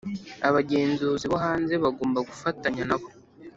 abagenzuzi bo hanze bagomba gufatanya nabo